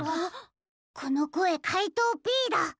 このこえかいとうＰだ！